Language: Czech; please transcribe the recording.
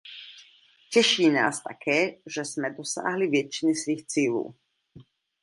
Těší nás také, že jsme dosáhli většiny svých cílů.